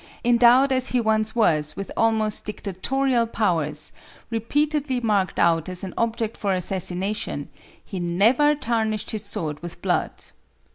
Endowed as he once was with almost dictatorial powers, repeatedly marked out as an object for assassination, he never tarnished his sword with blood.